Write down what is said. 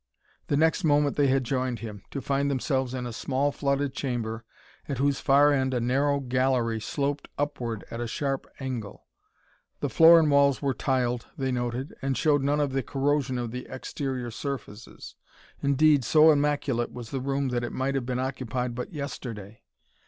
The next moment they had joined him, to find themselves in a small flooded chamber at whose far end a narrow gallery sloped upward at a sharp angle. The floor and walls were tiled, they noted, and showed none of the corrosion of the exterior surfaces. Indeed, so immaculate was the room that it might have been occupied but yesterday.